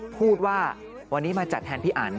พูดว่าวันนี้มาจัดแทนพี่อัน